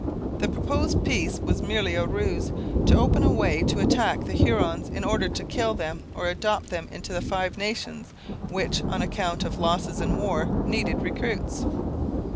The proposed peace was merely a ruse to open a way to attack the Hurons in order to kill them or to adopt them into the Five Nations, which, on account of losses in war, needed recruits.